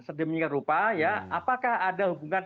sedemikian rupa ya apakah ada hubungan